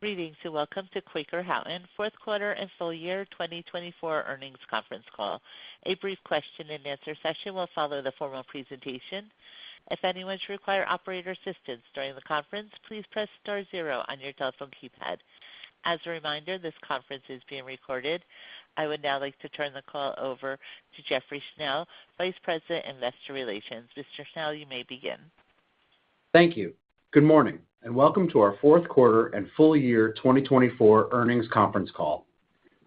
Greetings. Welcome to Quaker Houghton's Fourth Quarter and Full Year 2024 Earnings Conference Call. A brief question-and-answer session will follow the formal presentation. If anyone should require operator assistance during the conference, please press star zero on your telephone keypad. As a reminder, this conference is being recorded. I would now like to turn the call over to Jeffrey Schnell, Vice President, Investor Relations. Mr. Schnell, you may begin. Thank you. Good morning and welcome to our fourth quarter and full year 2024 earnings conference call.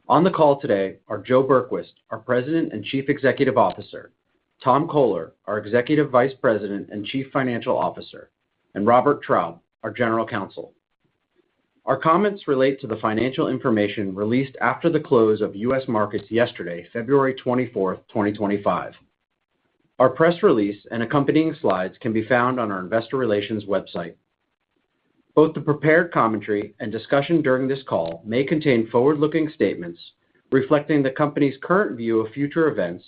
On the call today are Joe Berquist, our President and Chief Executive Officer, Tom Coler, our Executive Vice President and Chief Financial Officer, and Robert Traub, our General Counsel. Our comments relate to the financial information released after the close of U.S. markets yesterday, February 24, 2025. Our press release and accompanying slides can be found on our Investor Relations website. Both the prepared commentary and discussion during this call may contain forward-looking statements reflecting the company's current view of future events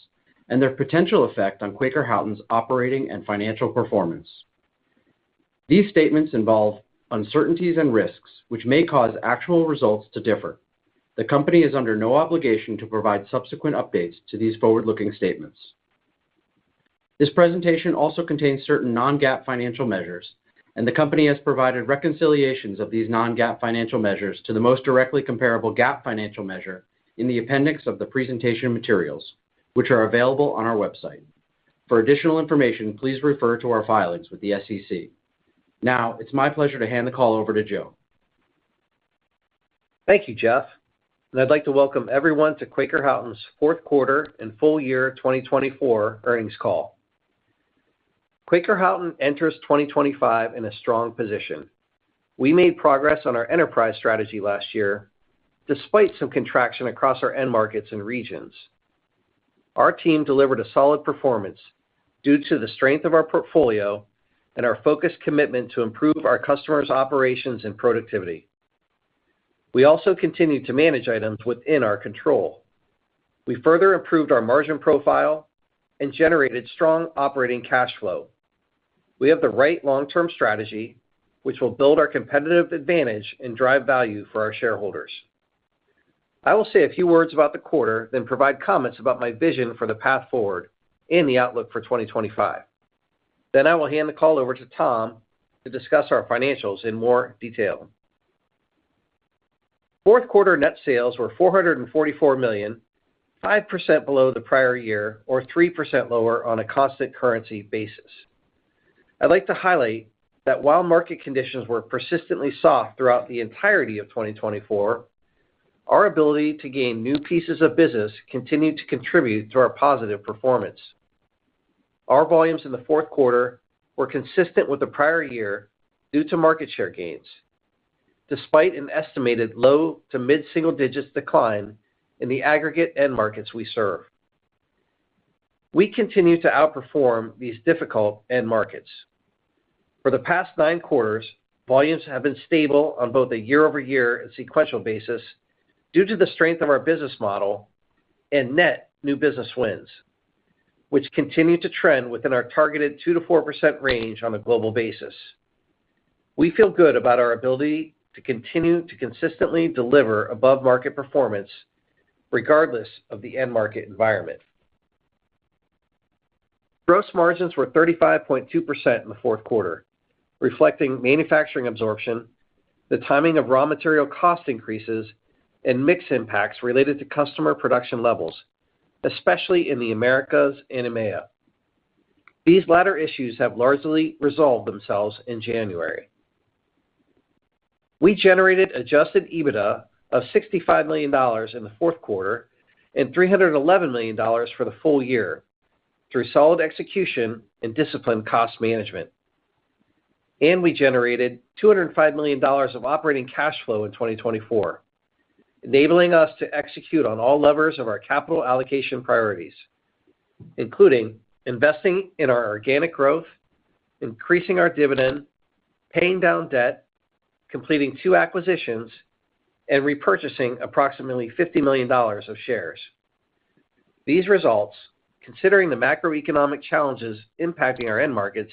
and their potential effect on Quaker Houghton's operating and financial performance. These statements involve uncertainties and risks, which may cause actual results to differ. The company is under no obligation to provide subsequent updates to these forward-looking statements. This presentation also contains certain non-GAAP financial measures, and the company has provided reconciliations of these non-GAAP financial measures to the most directly comparable GAAP financial measure in the appendix of the presentation materials, which are available on our website. For additional information, please refer to our filings with the SEC. Now, it's my pleasure to hand the call over to Joe. Thank you, Jeff. And I'd like to welcome everyone to Quaker Houghton's Fourth Quarter and Full Year 2024 Earnings Call. Quaker Houghton enters 2025 in a strong position. We made progress on our enterprise strategy last year, despite some contraction across our end markets and regions. Our team delivered a solid performance due to the strength of our portfolio and our focused commitment to improve our customers' operations and productivity. We also continue to manage items within our control. We further improved our margin profile and generated strong operating cash flow. We have the right long-term strategy, which will build our competitive advantage and drive value for our shareholders. I will say a few words about the quarter, then provide comments about my vision for the path forward and the outlook for 2025. Then I will hand the call over to Tom to discuss our financials in more detail. Fourth quarter net sales were $444 million, 5% below the prior year or 3% lower on a constant and currency basis. I'd like to highlight that while market conditions were persistently soft throughout the entirety of 2024, our ability to gain new pieces of business continued to contribute to our positive performance. Our volumes in the fourth quarter were consistent with the prior year due to market share gains, despite an estimated low to mid-single digits decline in the aggregate end markets we serve. We continue to outperform these difficult end markets. For the past nine quarters, volumes have been stable on both a year-over-year and sequential basis due to the strength of our business model and net new business wins, which continue to trend within our targeted 2% to 4% range on a global basis. We feel good about our ability to continue to consistently deliver above-market performance regardless of the end market environment. Gross margins were 35.2% in the fourth quarter, reflecting manufacturing absorption, the timing of raw material cost increases, and mixed impacts related to customer production levels, especially in the Americas and EMEA. These latter issues have largely resolved themselves in January. We generated Adjusted EBITDA of $65 million in the fourth quarter and $311 million for the full year through solid execution and disciplined cost management. And we generated $205 million of operating cash flow in 2024, enabling us to execute on all levers of our capital allocation priorities, including investing in our organic growth, increasing our dividend, paying down debt, completing two acquisitions, and repurchasing approximately $50 million of shares. These results, considering the macroeconomic challenges impacting our end markets,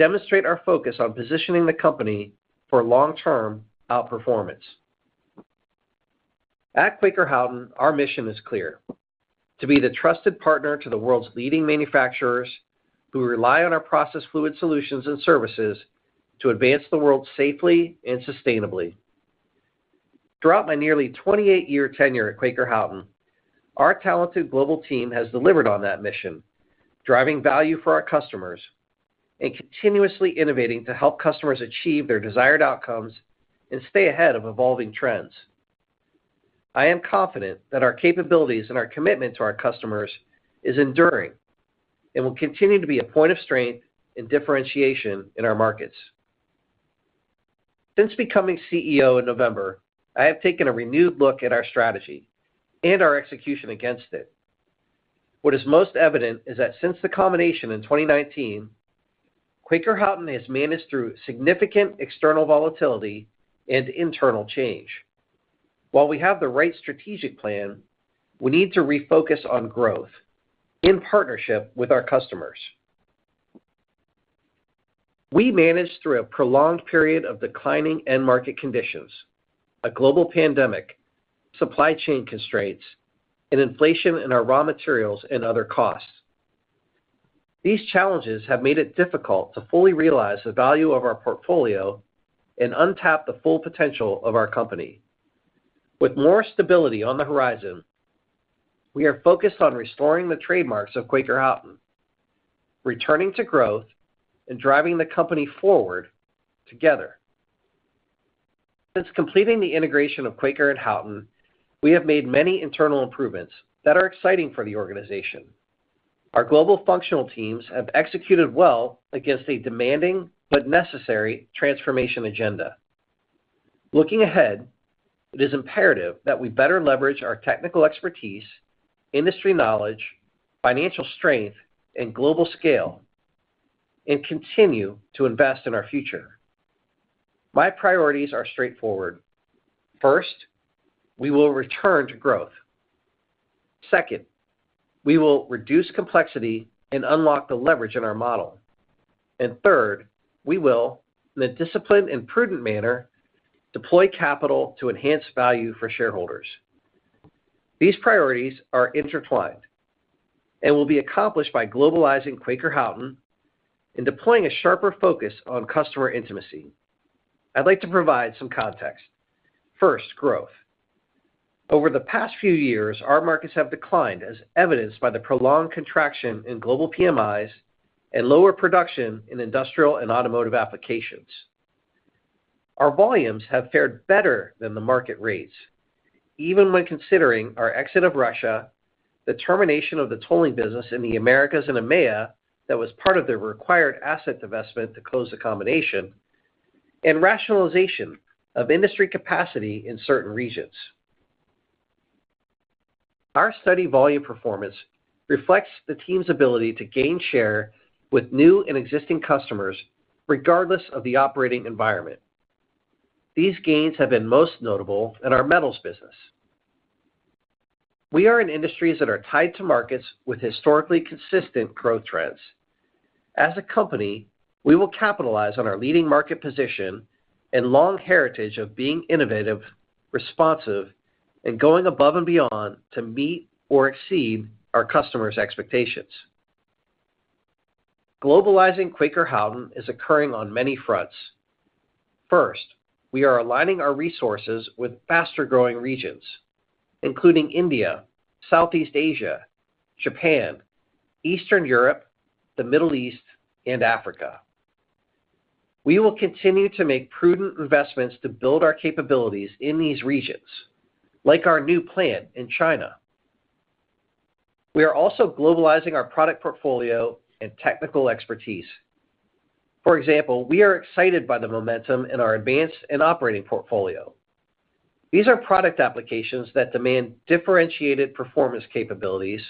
demonstrate our focus on positioning the company for long-term outperformance. At Quaker Houghton, our mission is clear: to be the trusted partner to the world's leading manufacturers who rely on our process fluid solutions and services to advance the world safely and sustainably. Throughout my nearly 28-year tenure at Quaker Houghton, our talented global team has delivered on that mission, driving value for our customers and continuously innovating to help customers achieve their desired outcomes and stay ahead of evolving trends. I am confident that our capabilities and our commitment to our customers is enduring and will continue to be a point of strength and differentiation in our markets. Since becoming CEO in November, I have taken a renewed look at our strategy and our execution against it. What is most evident is that since the combination in 2019, Quaker Houghton has managed through significant external volatility and internal change. While we have the right strategic plan, we need to refocus on growth in partnership with our customers. We managed through a prolonged period of declining end market conditions, a global pandemic, supply chain constraints, and inflation in our raw materials and other costs. These challenges have made it difficult to fully realize the value of our portfolio and unleash the full potential of our company. With more stability on the horizon, we are focused on restoring the hallmarks of Quaker Houghton, returning to growth, and driving the company forward together. Since completing the integration of Quaker and Houghton, we have made many internal improvements that are exciting for the organization. Our global functional teams have executed well against a demanding but necessary transformation agenda. Looking ahead, it is imperative that we better leverage our technical expertise, industry knowledge, financial strength, and global scale, and continue to invest in our future. My priorities are straightforward. First, we will return to growth. Second, we will reduce complexity and unlock the leverage in our model. And third, we will, in a disciplined and prudent manner, deploy capital to enhance value for shareholders. These priorities are intertwined and will be accomplished by globalizing Quaker Houghton and deploying a sharper focus on customer intimacy. I'd like to provide some context. First, growth. Over the past few years, our markets have declined, as evidenced by the prolonged contraction in global PMIs and lower production in industrial and automotive applications. Our volumes have fared better than the market rates, even when considering our exit of Russia, the termination of the tolling business in the Americas and EMEA that was part of the required asset investment to close the combination, and rationalization of industry capacity in certain regions. Our solid volume performance reflects the team's ability to gain share with new and existing customers regardless of the operating environment. These gains have been most notable in our metals business. We are in industries that are tied to markets with historically consistent growth trends. As a company, we will capitalize on our leading market position and long heritage of being innovative, responsive, and going above and beyond to meet or exceed our customers' expectations. Globalizing Quaker Houghton is occurring on many fronts. First, we are aligning our resources with faster-growing regions, including India, Southeast Asia, Japan, Eastern Europe, the Middle East, and Africa. We will continue to make prudent investments to build our capabilities in these regions, like our new plant in China. We are also globalizing our product portfolio and technical expertise. For example, we are excited by the momentum in our advanced and operating portfolio. These are product applications that demand differentiated performance capabilities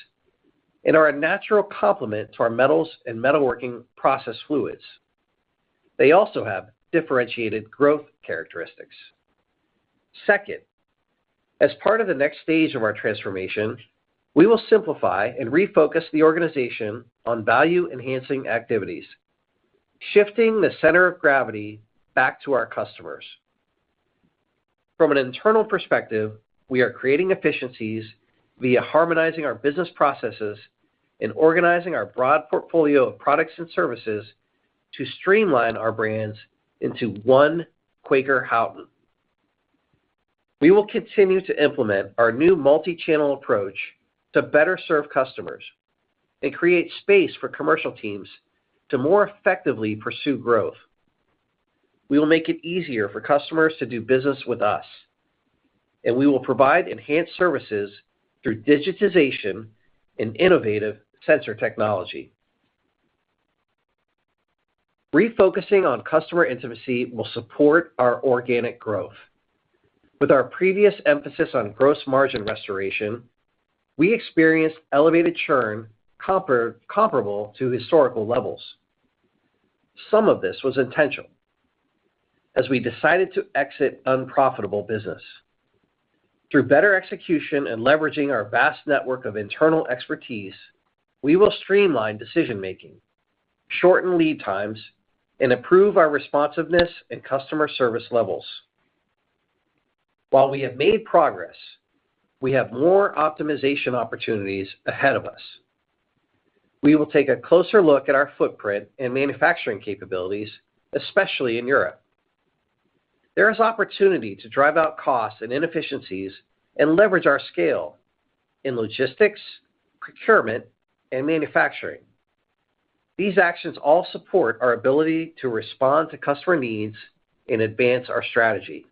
and are a natural complement to our metals and metalworking process fluids. They also have differentiated growth characteristics. Second, as part of the next stage of our transformation, we will simplify and refocus the organization on value-enhancing activities, shifting the center of gravity back to our customers. From an internal perspective, we are creating efficiencies via harmonizing our business processes and organizing our broad portfolio of products and services to streamline our brands into one Quaker Houghton. We will continue to implement our new multi-channel approach to better serve customers and create space for commercial teams to more effectively pursue growth. We will make it easier for customers to do business with us, and we will provide enhanced services through digitization and innovative sensor technology. Refocusing on customer intimacy will support our organic growth. With our previous emphasis on gross margin restoration, we experienced elevated churn comparable to historical levels. Some of this was intentional as we decided to exit unprofitable business. Through better execution and leveraging our vast network of internal expertise, we will streamline decision-making, shorten lead times, and improve our responsiveness and customer service levels. While we have made progress, we have more optimization opportunities ahead of us. We will take a closer look at our footprint and manufacturing capabilities, especially in Europe. There is opportunity to drive out costs and inefficiencies and leverage our scale in logistics, procurement, and manufacturing. These actions all support our ability to respond to customer needs and advance our strategy.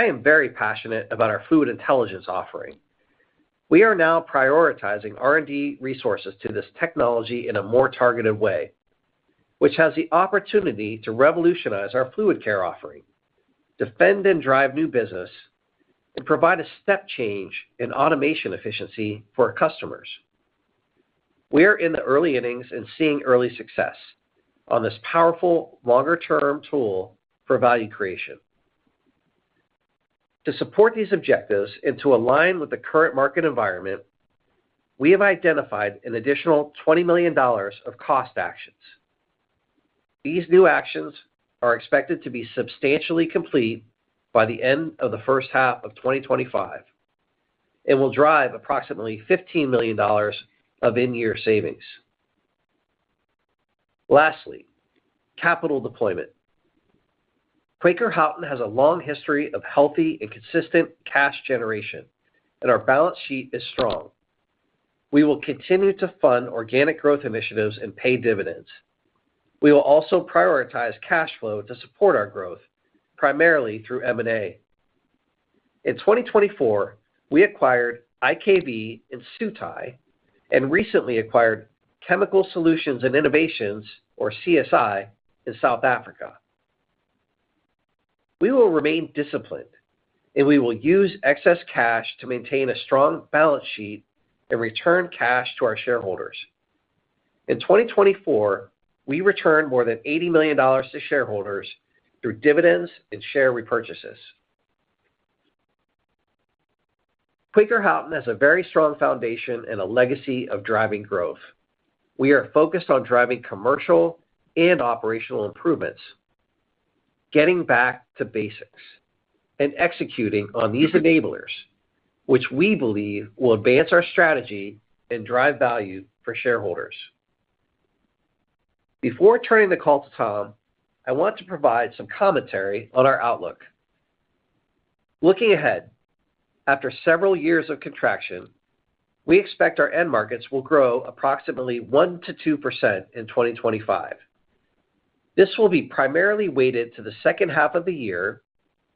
I am very passionate about our Fluid Intelligence offering. We are now prioritizing R&D resources to this technology in a more targeted way, which has the opportunity to revolutionize our FluidCare offering, defend and drive new business, and provide a step change in automation efficiency for our customers. We are in the early innings and seeing early success on this powerful longer-term tool for value creation. To support these objectives and to align with the current market environment, we have identified an additional $20 million of cost actions. These new actions are expected to be substantially complete by the end of the first half of 2025 and will drive approximately $15 million of in-year savings. Lastly, capital deployment. Quaker Houghton has a long history of healthy and consistent cash generation, and our balance sheet is strong. We will continue to fund organic growth initiatives and pay dividends. We will also prioritize cash flow to support our growth, primarily through M&A. In 2024, we acquired IKV and Sutai and recently acquired Chemical Solutions and Innovations, or CSI, in South Africa. We will remain disciplined, and we will use excess cash to maintain a strong balance sheet and return cash to our shareholders. In 2024, we returned more than $80 million to shareholders through dividends and share repurchases. Quaker Houghton has a very strong foundation and a legacy of driving growth. We are focused on driving commercial and operational improvements, getting back to basics, and executing on these enablers, which we believe will advance our strategy and drive value for shareholders. Before turning the call to Tom, I want to provide some commentary on our outlook. Looking ahead, after several years of contraction, we expect our end markets will grow approximately 1%-2% in 2025. This will be primarily weighted to the second half of the year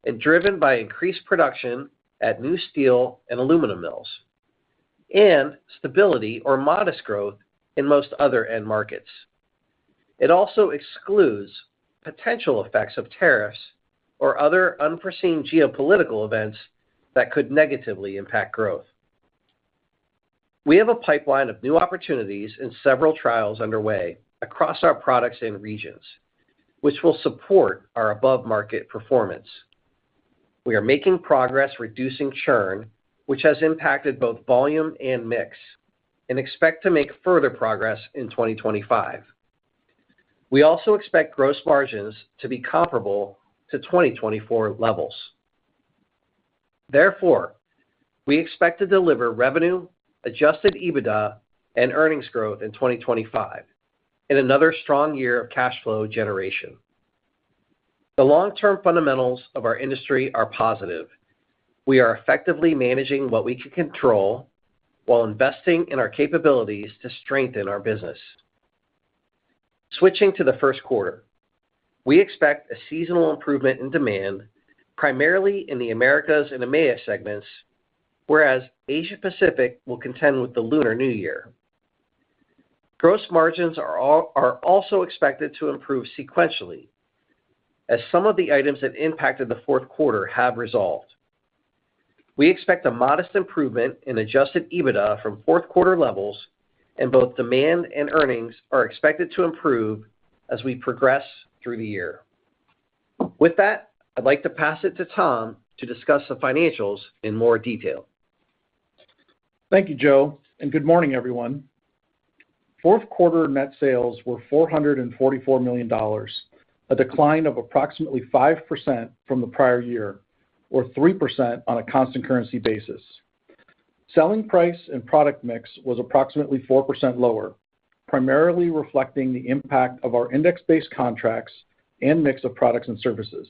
and driven by increased production at new steel and aluminum mills and stability or modest growth in most other end markets. It also excludes potential effects of tariffs or other unforeseen geopolitical events that could negatively impact growth. We have a pipeline of new opportunities and several trials underway across our products and regions, which will support our above-market performance. We are making progress reducing churn, which has impacted both volume and mix, and expect to make further progress in 2025. We also expect gross margins to be comparable to 2024 levels. Therefore, we expect to deliver revenue, Adjusted EBITDA, and earnings growth in 2025 and another strong year of cash flow generation. The long-term fundamentals of our industry are positive. We are effectively managing what we can control while investing in our capabilities to strengthen our business. Switching to the first quarter, we expect a seasonal improvement in demand, primarily in the Americas and EMEA segments, whereas Asia-Pacific will contend with the Lunar New Year. Gross margins are also expected to improve sequentially as some of the items that impacted the fourth quarter have resolved. We expect a modest improvement in adjusted EBITDA from fourth quarter levels, and both demand and earnings are expected to improve as we progress through the year. With that, I'd like to pass it to Tom to discuss the financials in more detail. Thank you, Joe, and good morning, everyone. Fourth quarter net sales were $444 million, a decline of approximately 5% from the prior year, or 3% on a constant currency basis. Selling price and product mix was approximately 4% lower, primarily reflecting the impact of our index-based contracts and mix of products and services.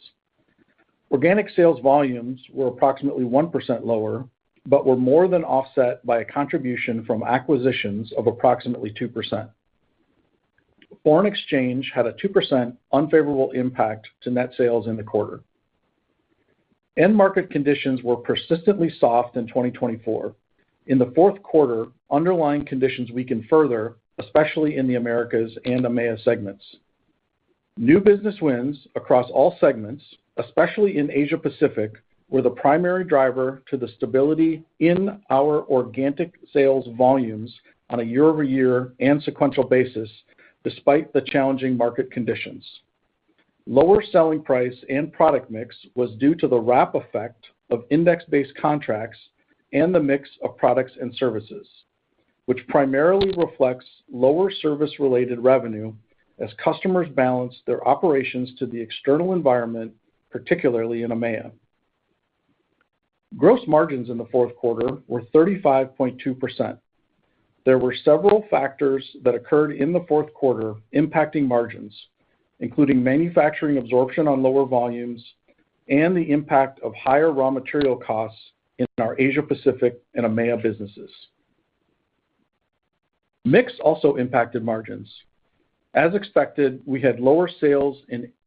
Organic sales volumes were approximately 1% lower but were more than offset by a contribution from acquisitions of approximately 2%. Foreign exchange had a 2% unfavorable impact to net sales in the quarter. End market conditions were persistently soft in 2024. In the fourth quarter, underlying conditions weakened further, especially in the Americas and EMEA segments. New business wins across all segments, especially in Asia-Pacific, were the primary driver to the stability in our organic sales volumes on a year-over-year and sequential basis, despite the challenging market conditions. Lower selling price and product mix was due to the wrap effect of index-based contracts and the mix of products and services, which primarily reflects lower service-related revenue as customers balance their operations to the external environment, particularly in EMEA. Gross margins in the fourth quarter were 35.2%. There were several factors that occurred in the fourth quarter impacting margins, including manufacturing absorption on lower volumes and the impact of higher raw material costs in our Asia-Pacific and EMEA businesses. Mix also impacted margins. As expected, we had lower sales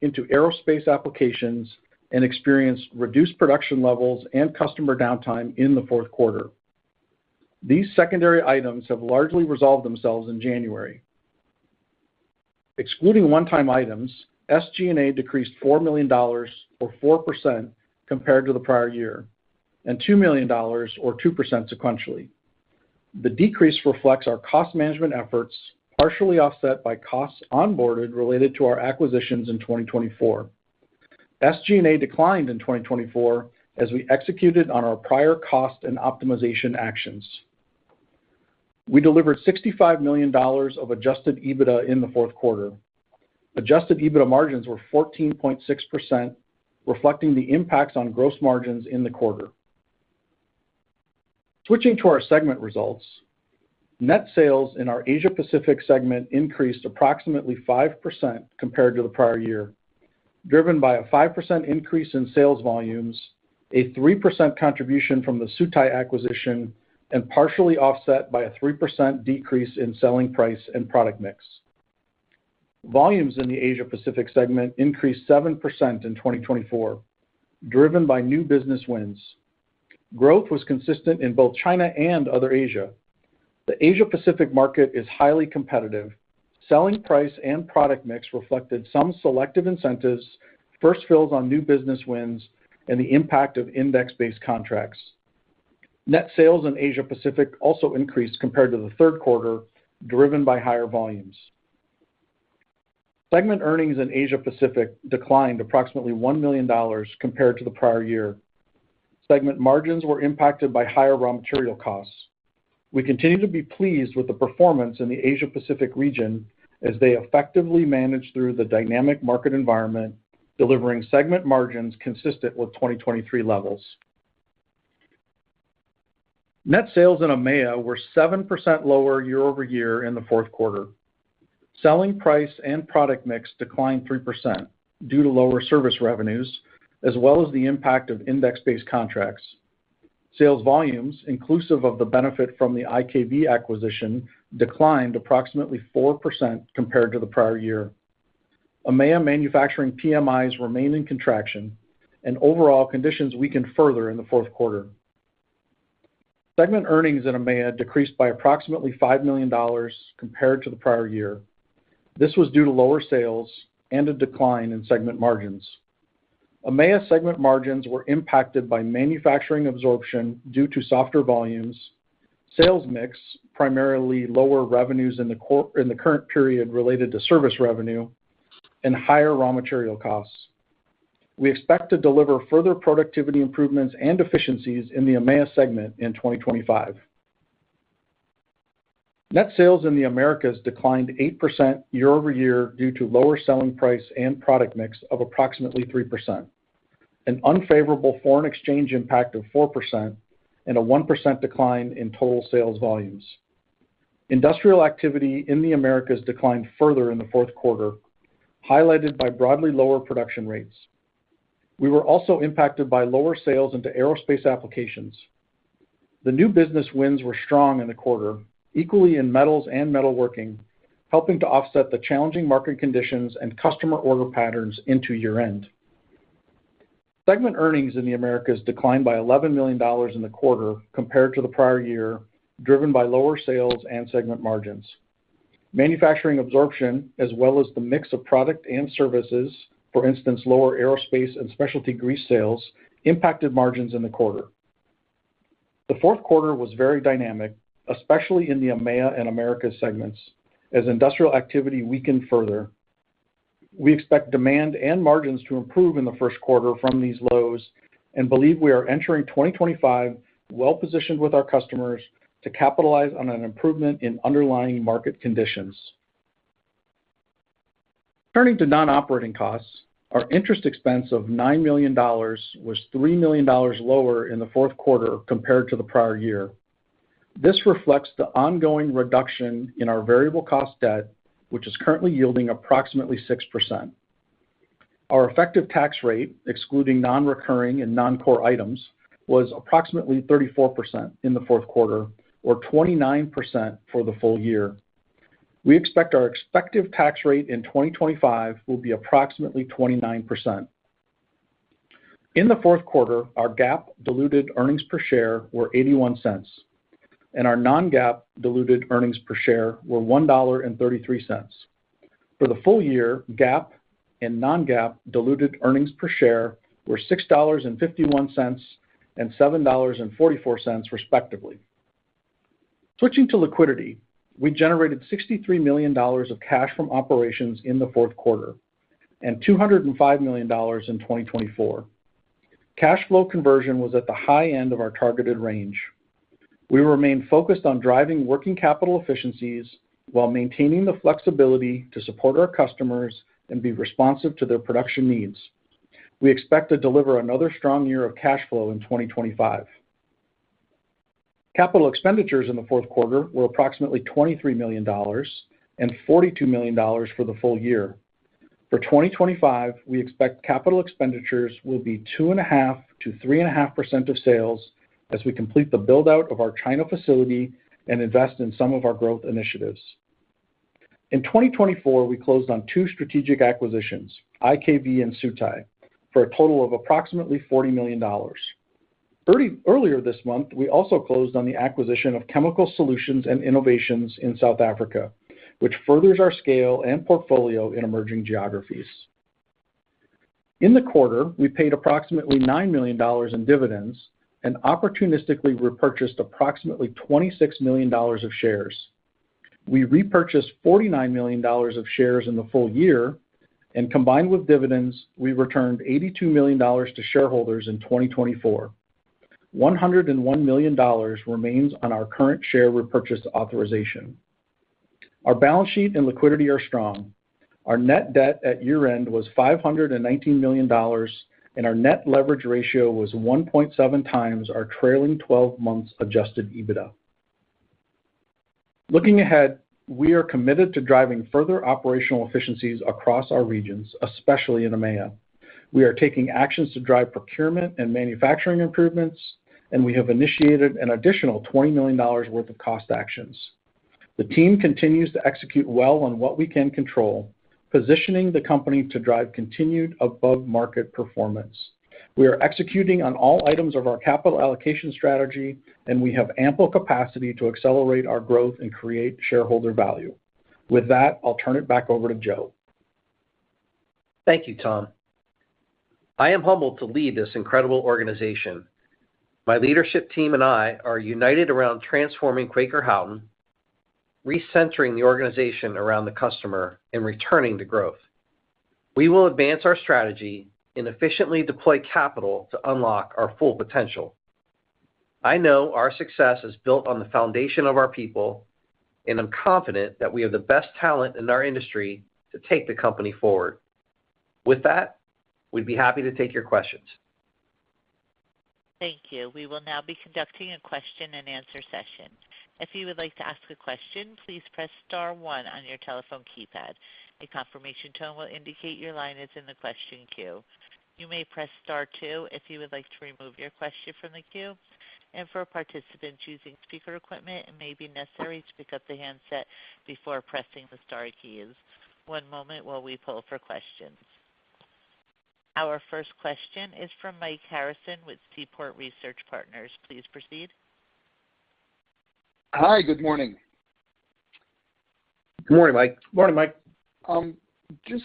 into aerospace applications and experienced reduced production levels and customer downtime in the fourth quarter. These secondary items have largely resolved themselves in January. Excluding one-time items, SG&A decreased $4 million, or 4%, compared to the prior year, and $2 million, or 2%, sequentially. The decrease reflects our cost management efforts, partially offset by costs onboarded related to our acquisitions in 2024. SG&A declined in 2024 as we executed on our prior cost and optimization actions. We delivered $65 million of Adjusted EBITDA in the fourth quarter. Adjusted EBITDA margins were 14.6%, reflecting the impacts on gross margins in the quarter. Switching to our segment results, net sales in our Asia-Pacific segment increased approximately 5% compared to the prior year, driven by a 5% increase in sales volumes, a 3% contribution from the Sutai acquisition, and partially offset by a 3% decrease in selling price and product mix. Volumes in the Asia-Pacific segment increased 7% in 2024, driven by new business wins. Growth was consistent in both China and other Asia. The Asia-Pacific market is highly competitive. Selling price and product mix reflected some selective incentives, first fills on new business wins, and the impact of index-based contracts. Net sales in Asia-Pacific also increased compared to the third quarter, driven by higher volumes. Segment earnings in Asia-Pacific declined approximately $1 million compared to the prior year. Segment margins were impacted by higher raw material costs. We continue to be pleased with the performance in the Asia-Pacific region as they effectively managed through the dynamic market environment, delivering segment margins consistent with 2023 levels. Net sales in EMEA were 7% lower year-over-year in the fourth quarter. Selling price and product mix declined 3% due to lower service revenues, as well as the impact of index-based contracts. Sales volumes, inclusive of the benefit from the IKV acquisition, declined approximately 4% compared to the prior year. EMEA manufacturing PMIs remained in contraction, and overall conditions weakened further in the fourth quarter. Segment earnings in EMEA decreased by approximately $5 million compared to the prior year. This was due to lower sales and a decline in segment margins. EMEA segment margins were impacted by manufacturing absorption due to softer volumes, sales mix, primarily lower revenues in the current period related to service revenue, and higher raw material costs. We expect to deliver further productivity improvements and efficiencies in the EMEA segment in 2025. Net sales in the Americas declined 8% year-over-year due to lower selling price and product mix of approximately 3%, an unfavorable foreign exchange impact of 4%, and a 1% decline in total sales volumes. Industrial activity in the Americas declined further in the fourth quarter, highlighted by broadly lower production rates. We were also impacted by lower sales into aerospace applications. The new business wins were strong in the quarter, equally in metals and metalworking, helping to offset the challenging market conditions and customer order patterns into year-end. Segment earnings in the Americas declined by $11 million in the quarter compared to the prior year, driven by lower sales and segment margins. Manufacturing absorption, as well as the mix of product and services, for instance, lower aerospace and specialty grease sales, impacted margins in the quarter. The fourth quarter was very dynamic, especially in the EMEA and Americas segments, as industrial activity weakened further. We expect demand and margins to improve in the first quarter from these lows and believe we are entering 2025 well-positioned with our customers to capitalize on an improvement in underlying market conditions. Turning to non-operating costs, our interest expense of $9 million was $3 million lower in the fourth quarter compared to the prior year. This reflects the ongoing reduction in our variable cost debt, which is currently yielding approximately 6%. Our effective tax rate, excluding non-recurring and non-core items, was approximately 34% in the fourth quarter, or 29% for the full year. We expect our expected tax rate in 2025 will be approximately 29%. In the fourth quarter, our GAAP diluted earnings per share were $0.81, and our non-GAAP diluted earnings per share were $1.33. For the full year, GAAP and non-GAAP diluted earnings per share were $6.51 and $7.44, respectively. Switching to liquidity, we generated $63 million of cash from operations in the fourth quarter and $205 million in 2024. Cash flow conversion was at the high end of our targeted range. We remain focused on driving working capital efficiencies while maintaining the flexibility to support our customers and be responsive to their production needs. We expect to deliver another strong year of cash flow in 2025. Capital expenditures in the fourth quarter were approximately $23 million and $42 million for the full year. For 2025, we expect capital expenditures will be 2.5%-3.5% of sales as we complete the build-out of our China facility and invest in some of our growth initiatives. In 2024, we closed on two strategic acquisitions, IKV and Sutai, for a total of approximately $40 million. Earlier this month, we also closed on the acquisition of Chemical Solutions and Innovations in South Africa, which furthers our scale and portfolio in emerging geographies. In the quarter, we paid approximately $9 million in dividends and opportunistically repurchased approximately $26 million of shares. We repurchased $49 million of shares in the full year, and combined with dividends, we returned $82 million to shareholders in 2024. $101 million remains on our current share repurchase authorization. Our balance sheet and liquidity are strong. Our net debt at year-end was $519 million, and our net leverage ratio was 1.7 times our trailing 12 months' Adjusted EBITDA. Looking ahead, we are committed to driving further operational efficiencies across our regions, especially in EMEA. We are taking actions to drive procurement and manufacturing improvements, and we have initiated an additional $20 million worth of cost actions. The team continues to execute well on what we can control, positioning the company to drive continued above-market performance. We are executing on all items of our capital allocation strategy, and we have ample capacity to accelerate our growth and create shareholder value. With that, I'll turn it back over to Joe. Thank you, Tom. I am humbled to lead this incredible organization. My leadership team and I are united around transforming Quaker Houghton, recentering the organization around the customer, and returning to growth. We will advance our strategy and efficiently deploy capital to unlock our full potential. I know our success is built on the foundation of our people, and I'm confident that we have the best talent in our industry to take the company forward. With that, we'd be happy to take your questions. Thank you. We will now be conducting a question-and-answer session. If you would like to ask a question, please press star one on your telephone keypad. A confirmation tone will indicate your line is in the question queue. You may press star two if you would like to remove your question from the queue. And for participants using speaker equipment, it may be necessary to pick up the handset before pressing the star keys. One moment while we pull for questions. Our first question is from Mike Harrison with Seaport Research Partners. Please proceed. Hi, good morning. Good morning, Mike. Morning, Mike. Just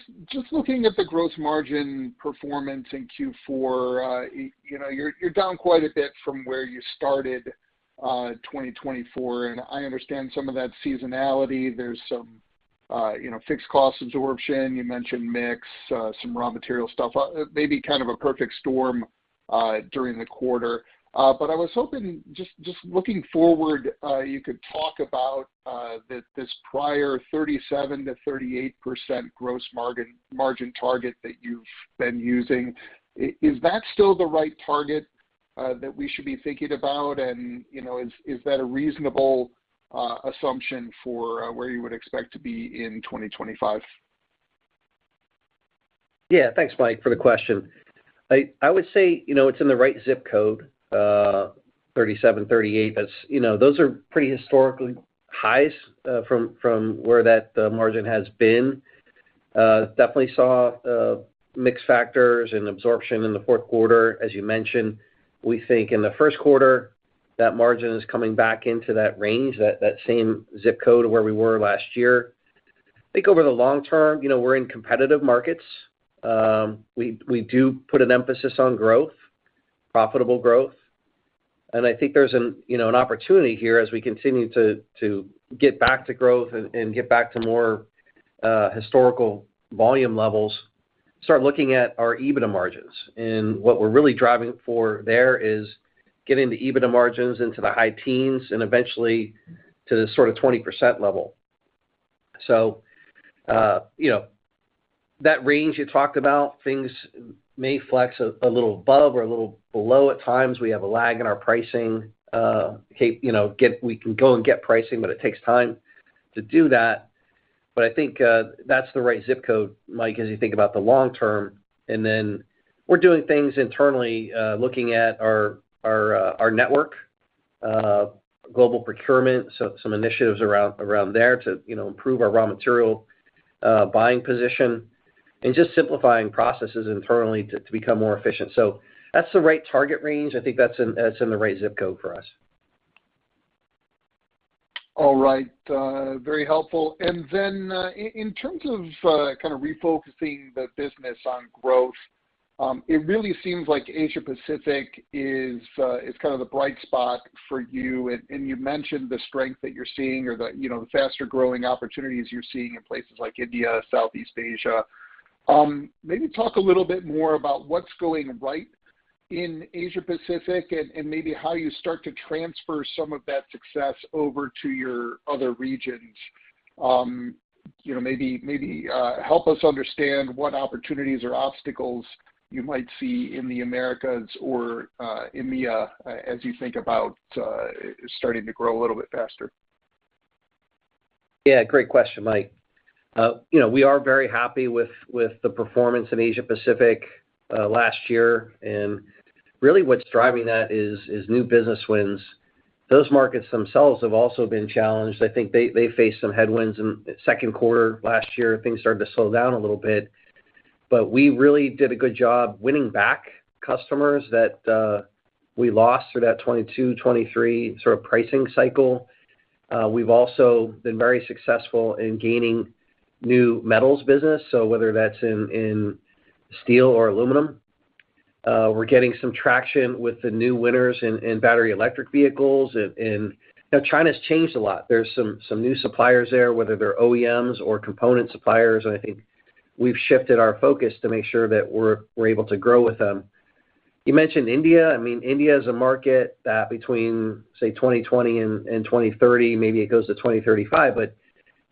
looking at the gross margin performance in Q4, you're down quite a bit from where you started 2024, and I understand some of that seasonality. There's some fixed cost absorption. You mentioned mix, some raw material stuff, maybe kind of a perfect storm during the quarter, but I was hoping, just looking forward, you could talk about this prior 37%-38% gross margin target that you've been using. Is that still the right target that we should be thinking about, and is that a reasonable assumption for where you would expect to be in 2025? Yeah, thanks, Mike, for the question. I would say it's in the right zip code, 37%-38%. Those are pretty historical highs from where that margin has been. Definitely saw mixed factors and absorption in the fourth quarter, as you mentioned. We think in the first quarter, that margin is coming back into that range, that same zip code where we were last year. I think over the long term, we're in competitive markets. We do put an emphasis on growth, profitable growth, and I think there's an opportunity here as we continue to get back to growth and get back to more historical volume levels, start looking at our EBITDA margins, and what we're really driving for there is getting the EBITDA margins into the high teens and eventually to the sort of 20% level, so that range you talked about, things may flex a little above or a little below at times. We have a lag in our pricing. We can go and get pricing, but it takes time to do that, but I think that's the right zip code, Mike, as you think about the long term. We're doing things internally, looking at our network, global procurement, some initiatives around there to improve our raw material buying position, and just simplifying processes internally to become more efficient. So that's the right target range. I think that's in the right zip code for us. All right. Very helpful. In terms of kind of refocusing the business on growth, it really seems like Asia-Pacific is kind of the bright spot for you. And you mentioned the strength that you're seeing or the faster-growing opportunities you're seeing in places like India, Southeast Asia. Maybe talk a little bit more about what's going right in Asia-Pacific and maybe how you start to transfer some of that success over to your other regions? Maybe help us understand what opportunities or obstacles you might see in the Americas or EMEA as you think about starting to grow a little bit faster? Yeah, great question, Mike. We are very happy with the performance in Asia-Pacific last year, and really what's driving that is new business wins. Those markets themselves have also been challenged. I think they faced some headwinds in the second quarter last year. Things started to slow down a little bit, but we really did a good job winning back customers that we lost through that 2022, 2023 sort of pricing cycle. We've also been very successful in gaining new metals business, so whether that's in steel or aluminum. We're getting some traction with the new winners in battery electric vehicles, and China's changed a lot. There's some new suppliers there, whether they're OEMs or component suppliers. And I think we've shifted our focus to make sure that we're able to grow with them. You mentioned India. I mean, India is a market that between, say, 2020 and 2030, maybe it goes to 2035, but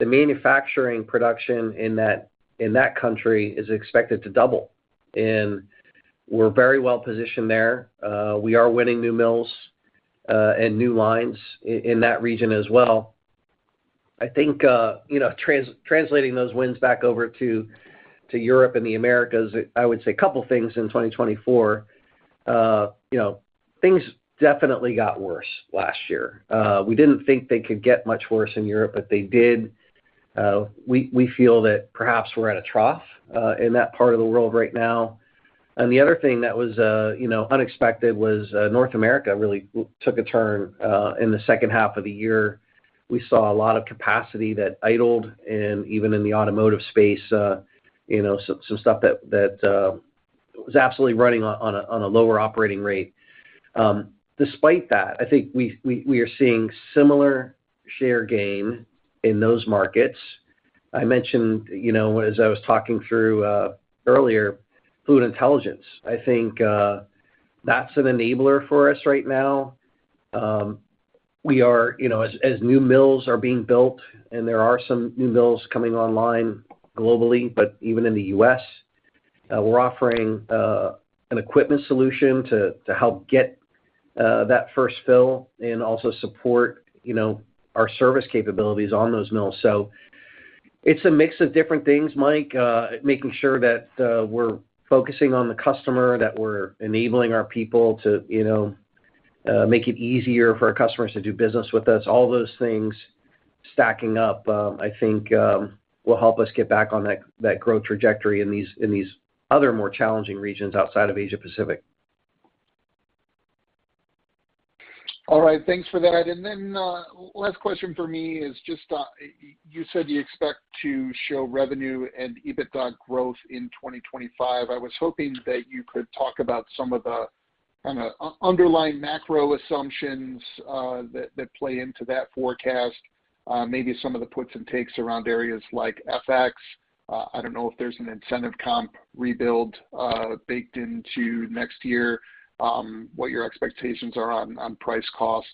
the manufacturing production in that country is expected to double. And we're very well positioned there. We are winning new mills and new lines in that region as well. I think translating those wins back over to Europe and the Americas, I would say a couple of things in 2024. Things definitely got worse last year. We didn't think they could get much worse in Europe, but they did. We feel that perhaps we're at a trough in that part of the world right now. And the other thing that was unexpected was North America really took a turn in the second half of the year. We saw a lot of capacity that idled, and even in the automotive space, some stuff that was absolutely running on a lower operating rate. Despite that, I think we are seeing similar share gain in those markets. I mentioned, as I was talking through earlier, Fluid Intelligence. I think that's an enabler for us right now. As new mills are being built, and there are some new mills coming online globally, but even in the U.S., we're offering an equipment solution to help get that first fill and also support our service capabilities on those mills. So it's a mix of different things, Mike, making sure that we're focusing on the customer, that we're enabling our people to make it easier for our customers to do business with us. All those things stacking up, I think, will help us get back on that growth trajectory in these other more challenging regions outside of Asia-Pacific. All right. Thanks for that. And then last question for me is just you said you expect to show revenue and EBITDA growth in 2025. I was hoping that you could talk about some of the kind of underlying macro assumptions that play into that forecast, maybe some of the puts and takes around areas like FX. I don't know if there's an incentive comp rebuild baked into next year, what your expectations are on price cost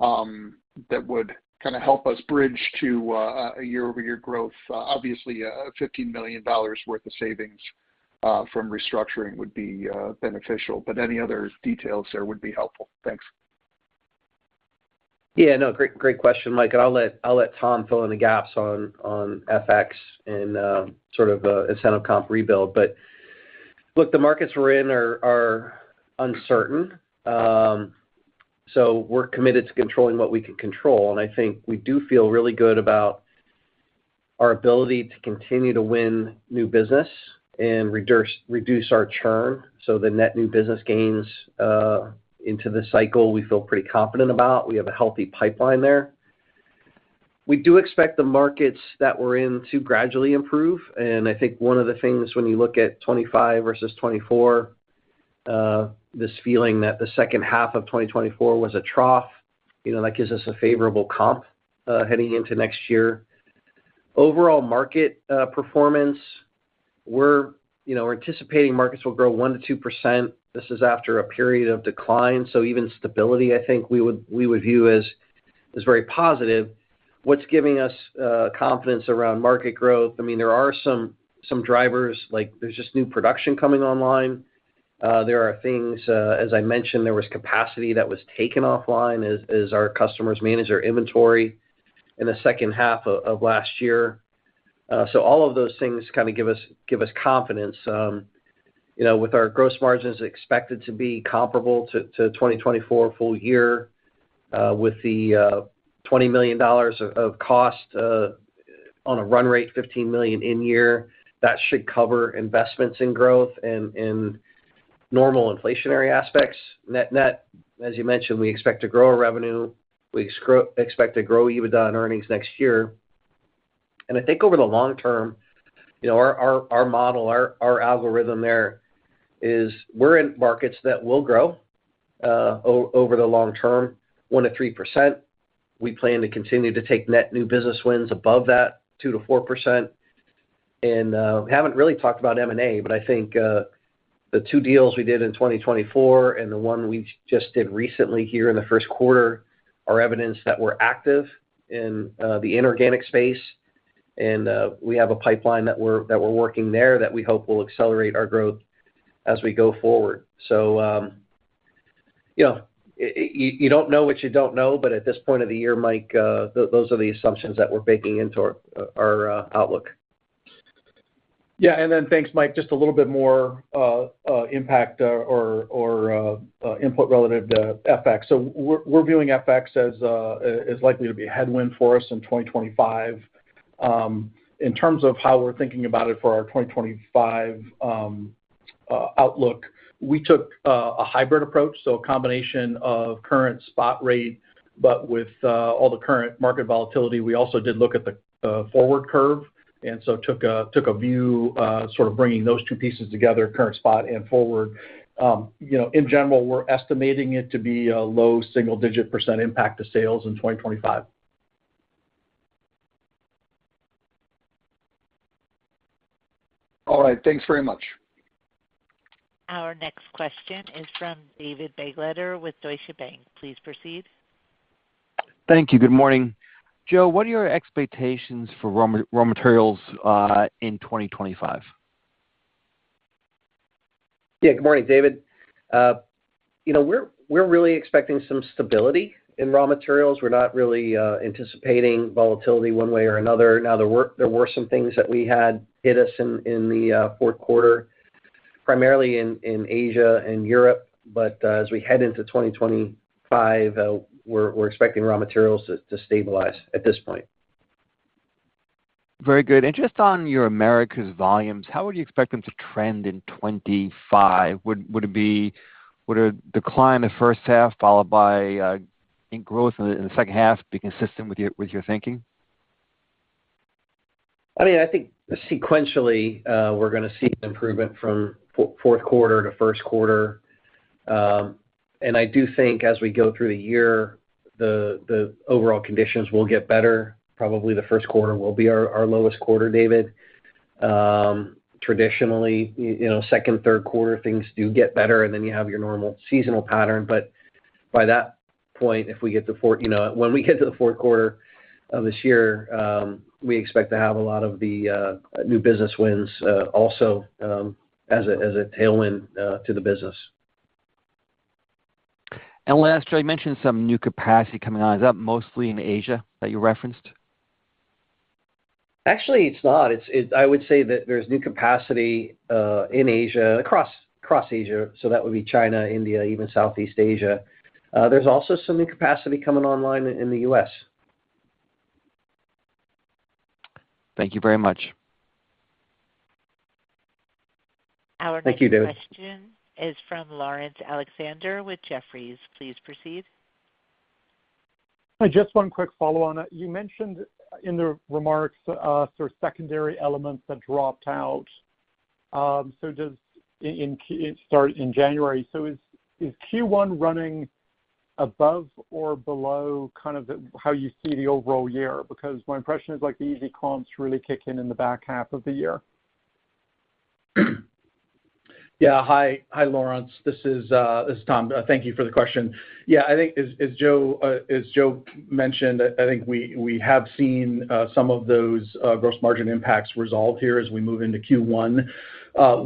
that would kind of help us bridge to a year-over-year growth. Obviously, $15 million worth of savings from restructuring would be beneficial. But any other details there would be helpful. Thanks. Yeah, no, great question, Mike. I'll let Tom fill in the gaps on FX and sort of incentive comp rebuild. Look, the markets we're in are uncertain. We're committed to controlling what we can control. I think we do feel really good about our ability to continue to win new business and reduce our churn. The net new business gains into the cycle we feel pretty confident about. We have a healthy pipeline there. We do expect the markets that we're in to gradually improve. I think one of the things when you look at 2025 versus 2024, this feeling that the second half of 2024 was a trough, that gives us a favorable comp heading into next year. Overall market performance, we're anticipating markets will grow 1%-2%. This is after a period of decline. Even stability, I think we would view as very positive. What's giving us confidence around market growth? I mean, there are some drivers. There's just new production coming online. There are things, as I mentioned, there was capacity that was taken offline as our customers managed their inventory in the second half of last year. So all of those things kind of give us confidence. With our gross margins expected to be comparable to 2024 full year with the $20 million of cost on a run rate, $15 million in year, that should cover investments in growth and normal inflationary aspects. Net, as you mentioned, we expect to grow revenue. We expect to grow EBITDA and earnings next year. And I think over the long term, our model, our algorithm there is we're in markets that will grow over the long term, 1%-3%. We plan to continue to take net new business wins above that 2%-4%. We haven't really talked about M&A, but I think the two deals we did in 2024 and the one we just did recently here in the first quarter are evidence that we're active in the inorganic space. We have a pipeline that we're working there that we hope will accelerate our growth as we go forward. You don't know what you don't know, but at this point of the year, Mike, those are the assumptions that we're baking into our outlook. Yeah. Then thanks, Mike. Just a little bit more impact or input relative to FX. We're viewing FX as likely to be a headwind for us in 2025. In terms of how we're thinking about it for our 2025 outlook, we took a hybrid approach. A combination of current spot rate, but with all the current market volatility, we also did look at the forward curve. And so took a view sort of bringing those two pieces together, current spot and forward. In general, we're estimating it to be a low single-digit % impact to sales in 2025. All right. Thanks very much. Our next question is from David Begleiter with Deutsche Bank. Please proceed. Thank you. Good morning. Joe, what are your expectations for raw materials in 2025? Yeah, good morning, David. We're really expecting some stability in raw materials. We're not really anticipating volatility one way or another. Now, there were some things that we had hit us in the fourth quarter, primarily in Asia and Europe. But as we head into 2025, we're expecting raw materials to stabilize at this point. Very good. Interested in your Americas volumes. How would you expect them to trend in 2025? Would it be declined the first half, followed by growth in the second half, be consistent with your thinking? I mean, I think sequentially, we're going to see an improvement from fourth quarter to first quarter. And I do think as we go through the year, the overall conditions will get better. Probably the first quarter will be our lowest quarter, David. Traditionally, second, third quarter, things do get better, and then you have your normal seasonal pattern. But by that point, if we get to the fourth quarter of this year, we expect to have a lot of the new business wins also as a tailwind to the business. And last, Joe, you mentioned some new capacity coming on. Is that mostly in Asia that you referenced? Actually, it's not. I would say that there's new capacity in Asia, across Asia. So that would be China, India, even Southeast Asia. There's also some new capacity coming online in the U.S. Thank you very much. Our next question is from Laurence Alexander with Jefferies. Please proceed. Just one quick follow-on. You mentioned in the remarks sort of secondary elements that dropped out. So in January, so is Q1 running above or below kind of how you see the overall year? Because my impression is the EV comps really kick in in the back half of the year. Yeah. Hi, Laurence. This is Tom. Thank you for the question. Yeah. I think, as Joe mentioned, I think we have seen some of those gross margin impacts resolve here as we move into Q1.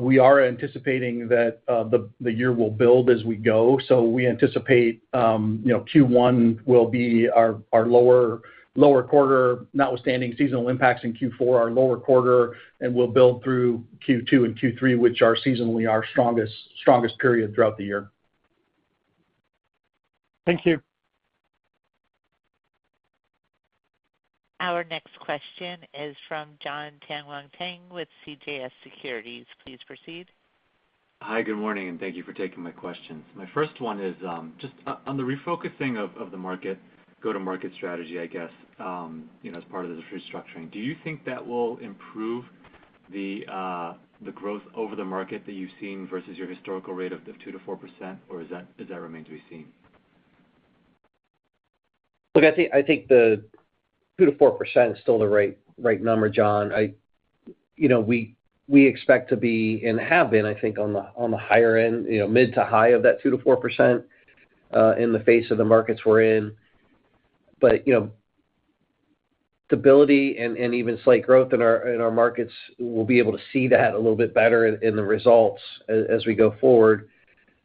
We are anticipating that the year will build as we go. So we anticipate Q1 will be our lower quarter, notwithstanding seasonal impacts in Q4, our lower quarter, and we'll build through Q2 and Q3, which are seasonally our strongest period throughout the year. Thank you. Our next question is from Jon Tanwanteng with CJS Securities. Please proceed. Hi, good morning, and thank you for taking my questions. My first one is just on the refocusing of the market, go-to-market strategy, I guess, as part of the restructuring. Do you think that will improve the growth over the market that you've seen versus your historical rate of 2%-4%, or does that remain to be seen? Look, I think the 2%-4% is still the right number, John. We expect to be inhabited, I think, on the higher end, mid to high of that 2%-4% in the face of the markets we're in. Stability and even slight growth in our markets. We'll be able to see that a little bit better in the results as we go forward.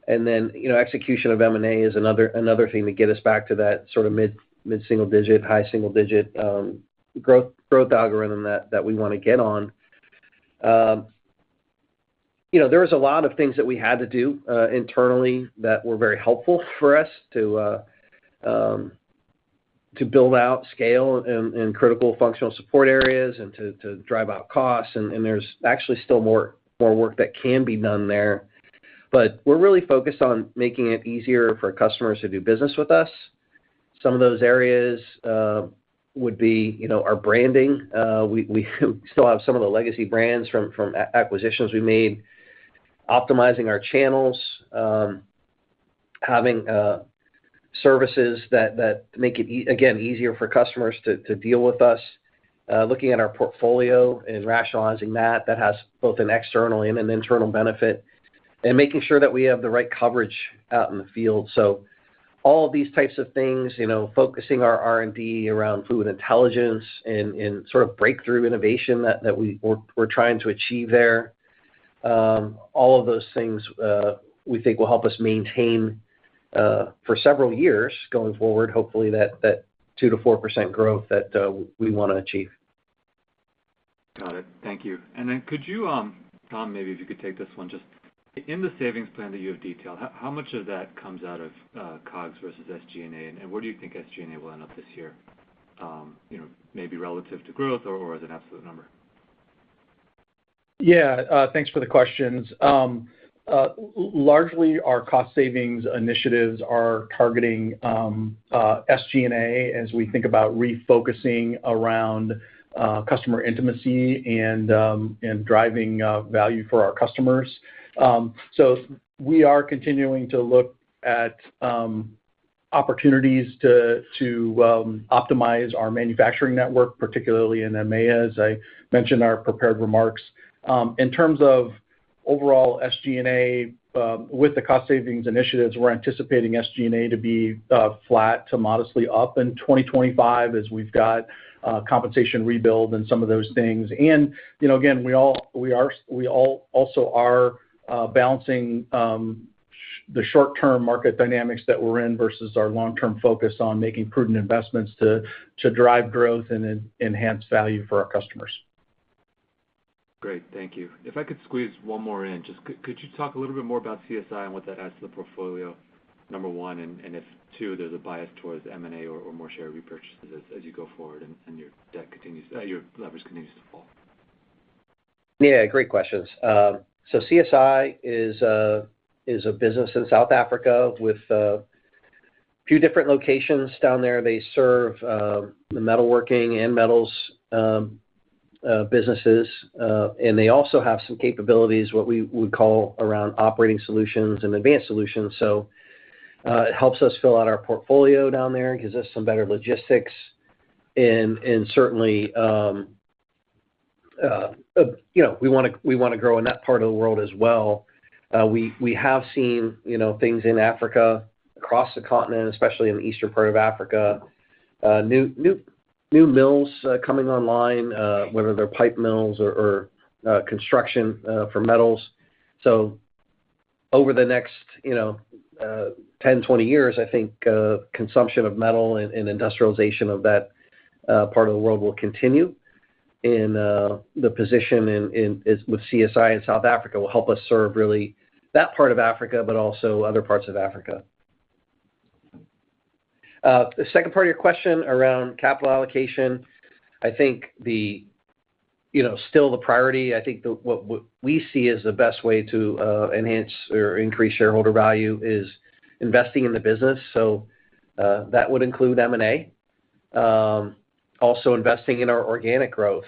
Execution of M&A is another thing to get us back to that sort of mid-single-digit, high-single-digit growth algorithm that we want to get on. There was a lot of things that we had to do internally that were very helpful for us to build out, scale, and critical functional support areas and to drive out costs. There's actually still more work that can be done there. We're really focused on making it easier for customers to do business with us. Some of those areas would be our branding. We still have some of the legacy brands from acquisitions we made, optimizing our channels, having services that make it, again, easier for customers to deal with us, looking at our portfolio and rationalizing that. That has both an external and an internal benefit and making sure that we have the right coverage out in the field. So all of these types of things, focusing our R&D around Fluid Intelligence and sort of breakthrough innovation that we're trying to achieve there, all of those things we think will help us maintain for several years going forward, hopefully that 2%-4% growth that we want to achieve. Got it. Thank you. And then could you, Tom, maybe if you could take this one, just in the savings plan that you have detailed, how much of that comes out of COGS versus SG&A? And where do you think SG&A will end up this year, maybe relative to growth or as an absolute number? Yeah. Thanks for the questions. Largely, our cost savings initiatives are targeting SG&A as we think about refocusing around customer intimacy and driving value for our customers. So we are continuing to look at opportunities to optimize our manufacturing network, particularly in EMEA, as I mentioned in our prepared remarks. In terms of overall SG&A with the cost savings initiatives, we're anticipating SG&A to be flat to modestly up in 2025 as we've got compensation rebuild and some of those things. And again, we also are balancing the short-term market dynamics that we're in versus our long-term focus on making prudent investments to drive growth and enhance value for our customers. Great. Thank you. If I could squeeze one more in, just could you talk a little bit more about CSI and what that adds to the portfolio, number one, and if two, there's a bias towards M&A or more share repurchases as you go forward and your leverage continues to fall? Yeah. Great questions, so CSI is a business in South Africa with a few different locations down there. They serve the metalworking and metals businesses. And they also have some capabilities, what we would call advanced and operating solutions. So it helps us fill out our portfolio down there, gives us some better logistics, and certainly, we want to grow in that part of the world as well. We have seen things in Africa, across the continent, especially in the eastern part of Africa, new mills coming online, whether they're pipe mills or construction for metals. So over the next 10, 20 years, I think consumption of metal and industrialization of that part of the world will continue. And the position with CSI in South Africa will help us serve really that part of Africa, but also other parts of Africa. The second part of your question around capital allocation, I think still the priority. I think what we see as the best way to enhance or increase shareholder value is investing in the business. So that would include M&A, also investing in our organic growth,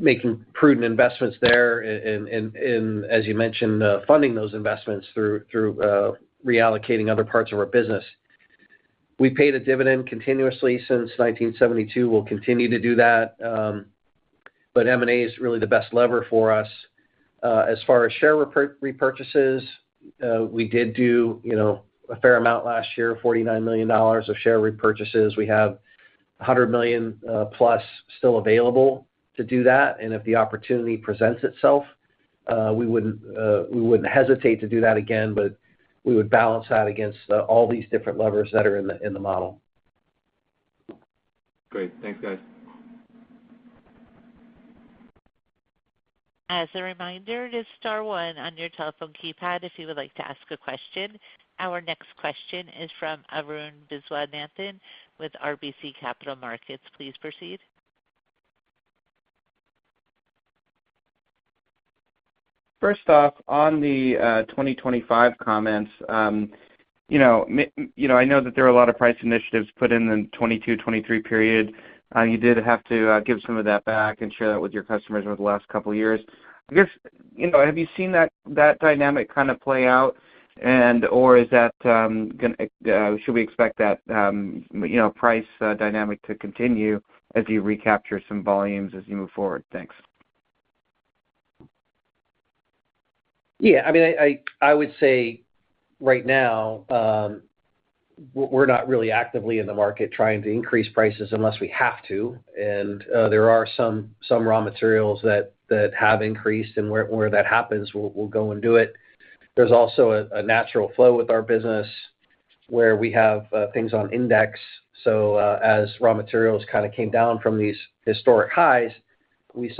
making prudent investments there, and as you mentioned, funding those investments through reallocating other parts of our business. We paid a dividend continuously since 1972. We'll continue to do that. But M&A is really the best lever for us. As far as share repurchases, we did do a fair amount last year, $49 million of share repurchases. We have $100 million plus still available to do that, and if the opportunity presents itself, we wouldn't hesitate to do that again, but we would balance that against all these different levers that are in the model. Great. Thanks, guys. As a reminder, to star one on your telephone keypad if you would like to ask a question. Our next question is from Arun Viswanathan with RBC Capital Markets. Please proceed. First off, on the 2025 comments, I know that there are a lot of price initiatives put in the 2022, 2023 period. You did have to give some of that back and share that with your customers over the last couple of years. I guess, have you seen that dynamic kind of play out, and/or is that going to should we expect that price dynamic to continue as you recapture some volumes as you move forward? Thanks. Yeah. I mean, I would say right now, we're not really actively in the market trying to increase prices unless we have to. And there are some raw materials that have increased, and where that happens, we'll go and do it. There's also a natural flow with our business where we have things on index. So as raw materials kind of came down from these historic highs, we've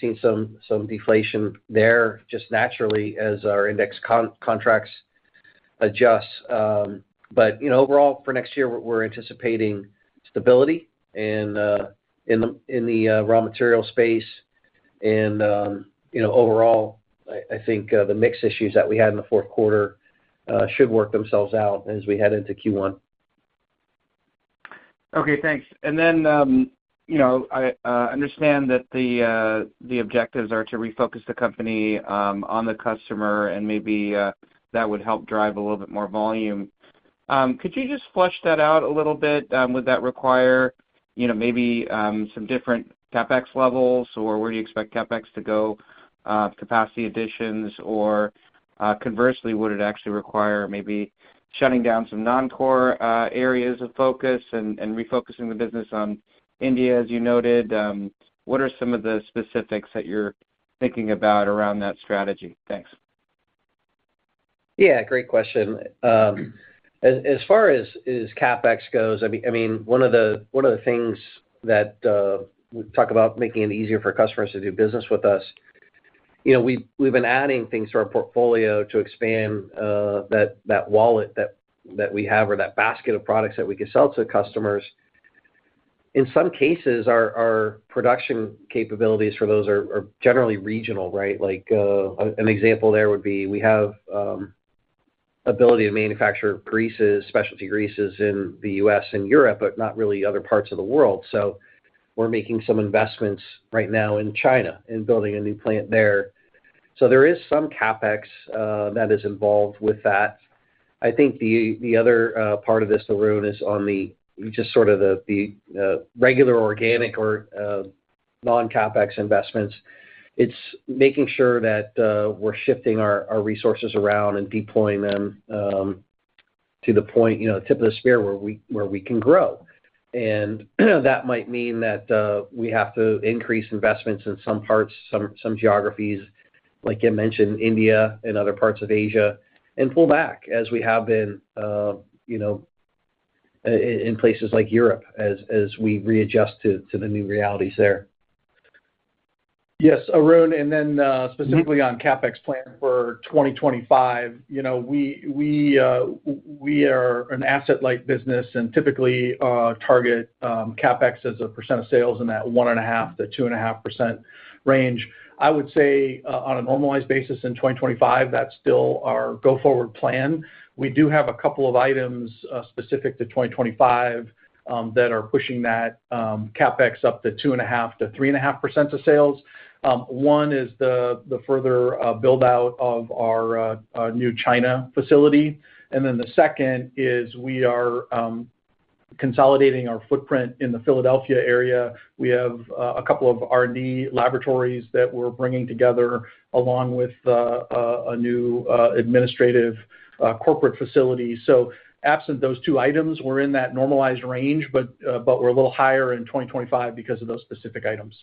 seen some deflation there just naturally as our index contracts adjust. But overall, for next year, we're anticipating stability in the raw material space. And overall, I think the mix issues that we had in the fourth quarter should work themselves out as we head into Q1. Okay. Thanks. And then I understand that the objectives are to refocus the company on the customer, and maybe that would help drive a little bit more volume. Could you just flesh that out a little bit? Would that require maybe some different CapEx levels, or where do you expect CapEx to go, capacity additions, or conversely, would it actually require maybe shutting down some non-core areas of focus and refocusing the business on India, as you noted? What are some of the specifics that you're thinking about around that strategy? Thanks. Yeah. Great question. As far as CapEx goes, I mean, one of the things that we talk about making it easier for customers to do business with us, we've been adding things to our portfolio to expand that wallet that we have or that basket of products that we could sell to customers. In some cases, our production capabilities for those are generally regional, right? An example there would be we have the ability to manufacture greases, specialty greases in the U.S. and Europe, but not really other parts of the world. So we're making some investments right now in China and building a new plant there. So there is some CapEx that is involved with that. I think the other part of this, Arun, is on just sort of the regular organic or non-CapEx investments. It's making sure that we're shifting our resources around and deploying them to the tip of the spear where we can grow. And that might mean that we have to increase investments in some parts, some geographies, like you mentioned, India and other parts of Asia, and pull back as we have been in places like Europe as we readjust to the new realities there. Yes, Arun. And then specifically on CapEx plan for 2025, we are an asset-light business and typically target CapEx as a % of sales in that 1.5%-2.5% range. I would say on a normalized basis in 2025, that's still our go-forward plan. We do have a couple of items specific to 2025 that are pushing that CapEx up to 2.5%-3.5% of sales. One is the further build-out of our new China facility. And then the second is we are consolidating our footprint in the Philadelphia area. We have a couple of R&D laboratories that we're bringing together along with a new administrative corporate facility. So absent those two items, we're in that normalized range, but we're a little higher in 2025 because of those specific items.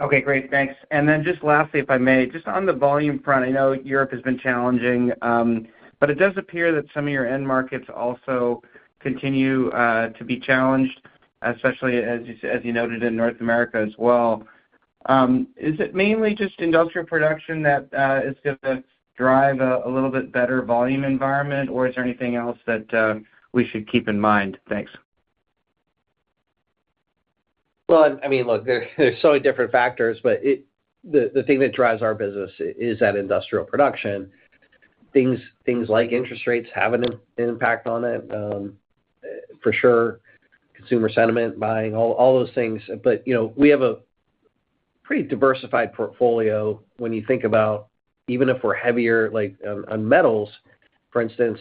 Okay. Great. Thanks. And then just lastly, if I may, just on the volume front, I know Europe has been challenging, but it does appear that some of your end markets also continue to be challenged, especially as you noted in North America as well. Is it mainly just industrial production that is going to drive a little bit better volume environment, or is there anything else that we should keep in mind? Thanks. Well, I mean, look, there's so many different factors, but the thing that drives our business is that industrial production. Things like interest rates have an impact on it, for sure, consumer sentiment, buying, all those things. But we have a pretty diversified portfolio when you think about even if we're heavier on metals. For instance,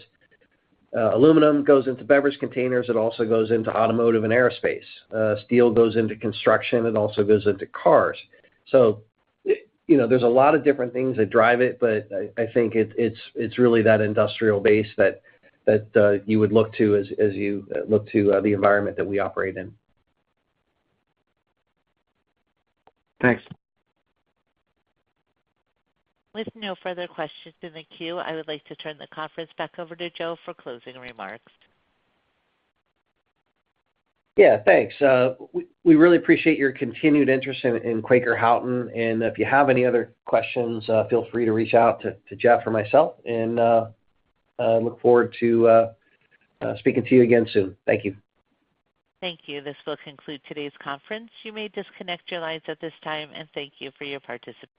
aluminum goes into beverage containers. It also goes into automotive and aerospace. Steel goes into construction. It also goes into cars. So there's a lot of different things that drive it, but I think it's really that industrial base that you would look to as you look to the environment that we operate in. Thanks. With no further questions in the queue, I would like to turn the conference back over to Joe for closing remarks. Yeah. Thanks. We really appreciate your continued interest in Quaker Houghton. And if you have any other questions, feel free to reach out to Jeff or myself. And I look forward to speaking to you again soon. Thank you. Thank you. This will conclude today's conference. You may disconnect your lines at this time, and thank you for your participation.